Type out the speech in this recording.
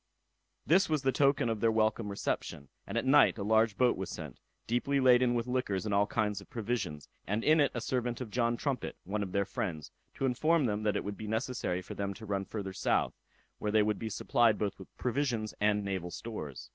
This was the token of their welcome reception, and at night a large boat was sent, deeply laden with liquors and all kinds of provisions, and in it a servant of John Trumpet, one of their friends, to inform them that it would be necessary for them to run farther south, where they would be supplied both with provisions and naval stores.